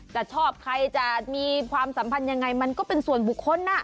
จะชอบใครจะมีความสัมพันธ์ยังไงมันก็เป็นส่วนบุคคล